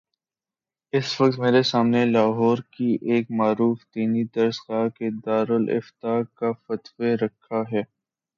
اس وقت میرے سامنے لاہور کی ایک معروف دینی درس گاہ کے دارالافتاء کا فتوی رکھا ہے۔